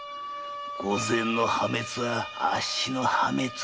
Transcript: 御前の破滅はあっしの破滅。